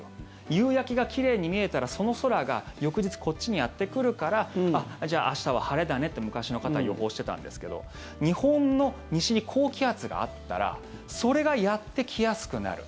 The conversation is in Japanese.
夕焼けが奇麗に見えたらその空が翌日こっちにやってくるからじゃあ明日は晴れだねって昔の方は予報してたんですけど日本の西に高気圧があったらそれがやってきやすくなる。